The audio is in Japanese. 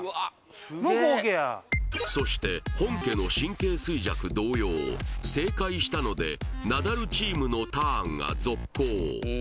置けやそして本家の神経衰弱同様正解したのでナダルチームのターンが続行